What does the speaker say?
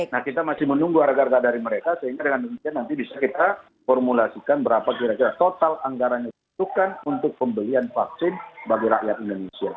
nah kita masih menunggu harga harga dari mereka sehingga dengan demikian nanti bisa kita formulasikan berapa kira kira total anggaran yang dibutuhkan untuk pembelian vaksin bagi rakyat indonesia